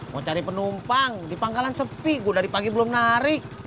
mau cari penumpang di pangkalan sepi gue dari pagi belum narik